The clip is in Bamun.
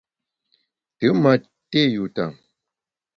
Te ma té yuta.